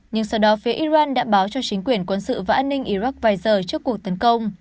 nhưng sau đó phía iran đã báo cho chính quyền quân sự và an ninh iraq vài giờ trước cuộc tấn công